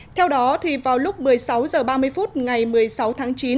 theo đó vào lúc một mươi sáu h ba mươi phút ngày một mươi sáu tháng chín